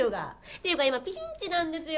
っていうか今ピンチなんですよ！